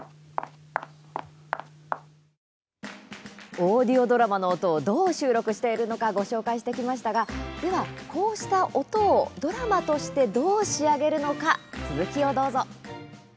オーディオドラマの音をどう収録しているのかご紹介してきましたがでは、こうした音をドラマとして、どう仕上げるのか続きをどうぞ。